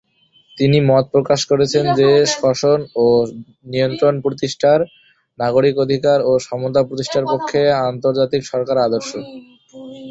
তিনি মত প্রকাশ করেছেন যে শাসন ও নিয়ন্ত্রণ প্রতিষ্ঠার, নাগরিক অধিকার ও সমতা প্রতিষ্ঠার পক্ষে প্রজাতান্ত্রিক সরকার আদর্শ।